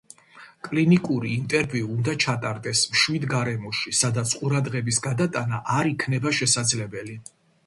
კლინიკური ინტერვიუ უნდა ჩატარდეს მშვიდ გარემოში, სადაც ყურადღების გადატანა არ იქნება შესაძლებელი.